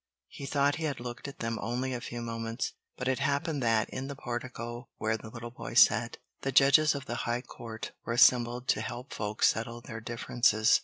He thought he had looked at them only a few moments. But it happened that, in the portico where the little boy sat, the judges of the high court were assembled to help folks settle their differences.